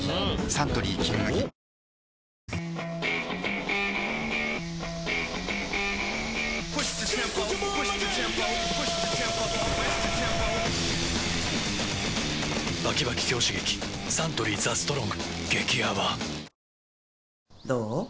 サントリー「ＴＨＥＳＴＲＯＮＧ」激泡どう？